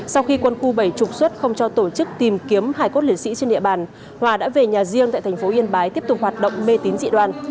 sau khi quân khu bảy trục xuất không cho tổ chức tìm kiếm hải cốt lễ sĩ trên địa bàn hòa đã về nhà riêng tại thành phố yên bái tiếp tục hoạt động mê tín dị đoàn